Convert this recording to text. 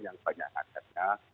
yang banyak adanya